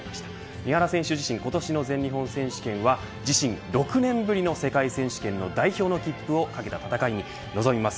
三原選手自身今年の全日本選手権は自身６年ぶりの世界選手権の代表の切符を懸けた戦いに臨みます。